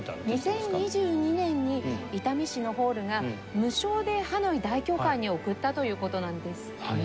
２０２２年に伊丹市のホールが無償でハノイ大教会に贈ったという事なんです。